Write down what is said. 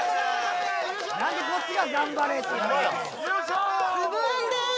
・何でこっちが「頑張れ」って・よいしょー！